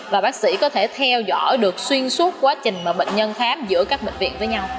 và bác sĩ có thể theo dõi được xuyên suốt quá trình mà bệnh nhân khám giữa các bệnh viện với nhau